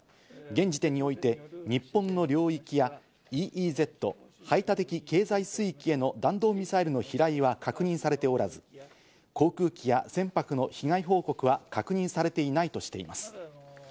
現時点において日本の領域やＥＥＺ＝排他的経済水域への弾道ミサイルの飛来は確認されておらず、航空機や船舶の被害報告は確認されていないとしています。